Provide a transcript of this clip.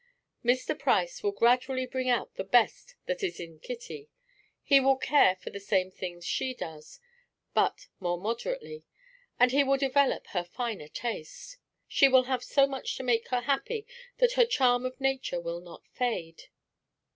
Mr. Price will gradually bring out the best that is in Kitty. He will care for the same things she does, but more moderately; and he will develop her finer taste. She will have so much to make her happy that her charm of nature will not fade."